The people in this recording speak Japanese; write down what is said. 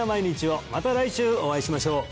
また来週お会いしましょう！